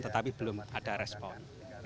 tetapi belum ada respon